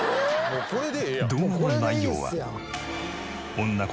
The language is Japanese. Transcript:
動画の内容は。